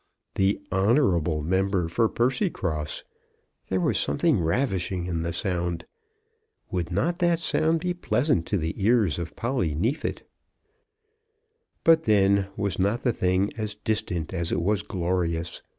The honourable member for Percycross! There was something ravishing in the sound. Would not that sound be pleasant to the ears of Polly Neefit? But then, was not the thing as distant as it was glorious?